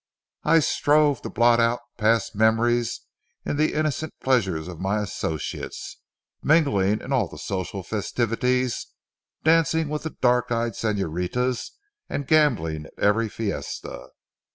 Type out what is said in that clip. I strove to blot out past memories in the innocent pleasures of my associates, mingling in all the social festivities, dancing with the dark eyed señoritas and gambling at every fiesta.